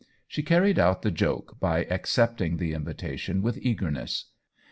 She carried out the joke by accepting the invitation with eagerness.